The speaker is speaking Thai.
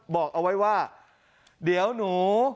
บอกเอาไว้ว่าเดี๋ยวหนู